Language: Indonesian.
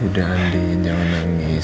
udah andi jangan nangis